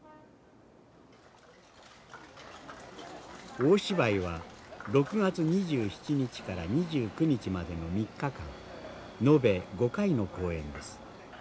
大芝居は６月２７日から２９日までの３日間延べ５回の公演です。